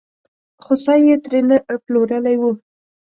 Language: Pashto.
خوسی یې ترې نه پلورلی و.